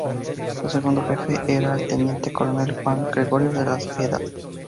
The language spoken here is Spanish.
Su segundo jefe era el teniente coronel Juan Gregorio de Las Heras.